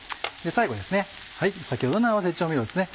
最後先ほどの合わせ調味料ですね。